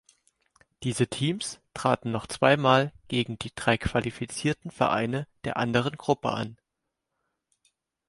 Diese Teams traten noch zweimal gegen die drei qualifizierten Vereine der anderen Gruppe an.